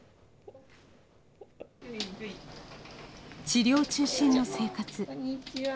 治療中心の生活。